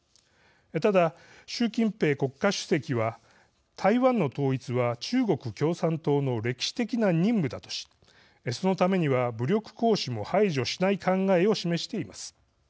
ただ、習近平国家主席は台湾の統一は中国共産党の歴史的な任務だとしそのためには武力行使も排除しない考えを示しています。